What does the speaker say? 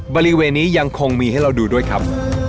บริเวณนี้ยังคงมีให้เราดูด้วยครับ